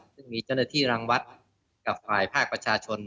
ซึ่งมีเจ้าหน้าที่รังวัดกับฝ่ายภาคประชาชน